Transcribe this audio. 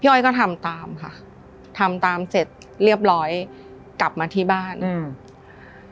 อ้อยก็ทำตามค่ะทำตามเสร็จเรียบร้อยกลับมาที่บ้านอืม